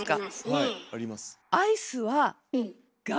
はいあります。